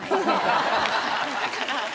だから。